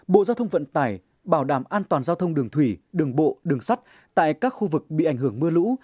bộ giao thông vận tải bảo đảm an toàn giao thông đường thủy đường bộ đường sắt tại các khu vực bị ảnh hưởng mưa lũ